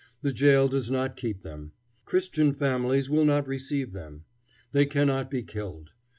The jail does not keep them. Christian families will not receive them. They cannot be killed.